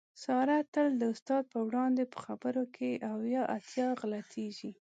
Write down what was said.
ساره تل د استاد په وړاندې په خبرو کې اویا اتیا غلطېږي.